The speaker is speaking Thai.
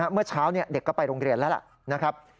เมื่อเช้าเด็กก็ไปโรงเรียนแล้วล่ะนะครับ